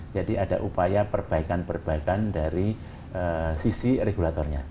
jadi ada upaya perbaikan perbaikan dari sisi regulatornya